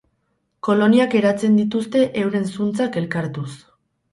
Koloniak eratzen dituzte euren zuntzak elkartuz.